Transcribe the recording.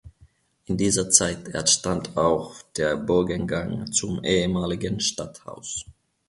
In dieser Zeit entstand auch der Bogengang zum ehemaligen Stadthaus.